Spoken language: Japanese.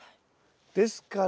ですから。